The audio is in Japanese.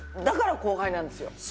だから後輩なんですよ。